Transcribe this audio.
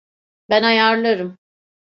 Ben ayarlarım.